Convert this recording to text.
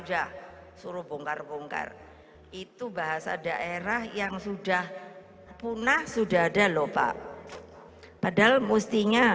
udah suruh bongkar bongkar itu bahasa daerah yang sudah punah sudah ada lho pak padahal mestinya